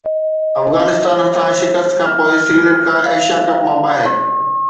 افغانستان هٿان شڪست کانپوءِ سريلنڪا ايشيا ڪپ مان ٻاهر